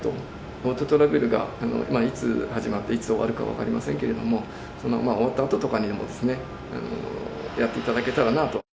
ＧｏＴｏトラベルがいつ終わるか分かりませんけれども、終わったあととかに、やっていただけたらなと。